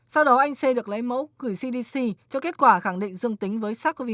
sau đó anh c được lấy mẫu gửi cdc cho kết quả khẳng định dương tính với sars cov hai